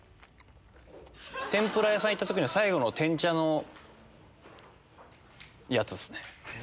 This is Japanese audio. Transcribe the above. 天ぷら屋さん行った時の最後の天茶のやつっすね。